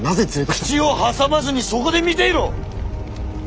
口を挟まずにそこで見ていろ！